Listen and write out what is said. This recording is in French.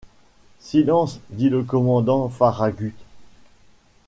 Silence ! dit le commandant Farragut.